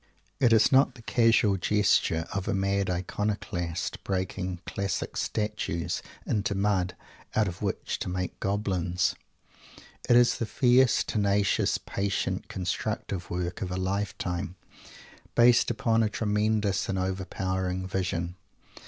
It is not the casual gesture of a mad iconoclast breaking Classic Statues into mud, out of which to make goblins. It is the fierce, tenacious, patient, constructive work of a lifetime, based upon a tremendous and overpowering Vision!